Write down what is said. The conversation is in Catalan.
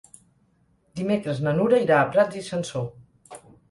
Dimecres na Nura irà a Prats i Sansor.